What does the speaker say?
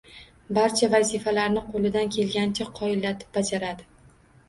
Barcha vazifalarni qo‘lidan kelganicha qoyillatib bajaradi.